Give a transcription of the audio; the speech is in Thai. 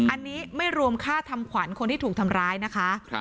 อันนี้ไม่รวมค่าทำขวัญคนที่ถูกทำร้ายนะคะ